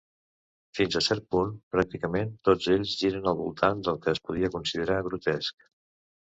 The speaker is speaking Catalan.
Fins a cert punt, pràcticament tots ells giren al voltant del que es podria considerar grotesc.